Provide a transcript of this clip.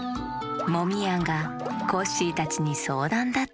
モミヤンがコッシーたちにそうだんだって！